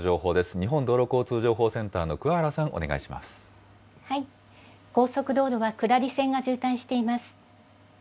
日本道路交通情報センターのくわ原さん、高速道路は下り線が渋滞しています。